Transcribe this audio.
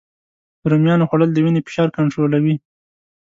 د رومیانو خوړل د وینې فشار کنټرولوي